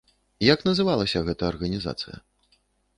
Як называлася гэта арганізацыя?